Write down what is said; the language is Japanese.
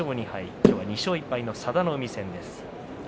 今日は２勝１敗の佐田の海戦です。